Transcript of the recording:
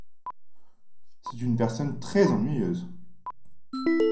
C’est une personne très ennuyeuse.